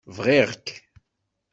BƔiƔ-k.